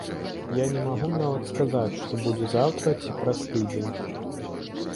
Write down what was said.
Я не магу нават сказаць, што будзе заўтра ці праз тыдзень.